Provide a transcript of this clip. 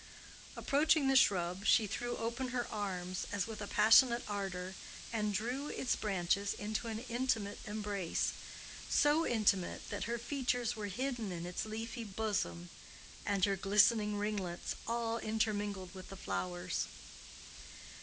Approaching the shrub, she threw open her arms, as with a passionate ardor, and drew its branches into an intimate embrace—so intimate that her features were hidden in its leafy bosom and her glistening ringlets all intermingled with the flowers.